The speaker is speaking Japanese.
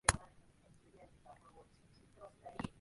世界が一つの論理的一般者と考えられる。